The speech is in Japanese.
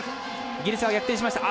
イギリスが逆転しました。